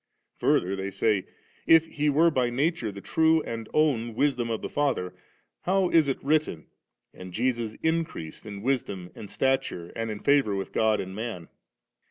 Further they say; * If He were by nature the true and own Wisdom of the Father, how is it written, *And Jesus increased in wisdom and suture, and in favour with God and man^?'